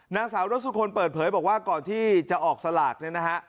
นางสาวรสสุคนเปิดเผยบอกว่าก่อนที่จะออกสลากเนี่ยนะฮะ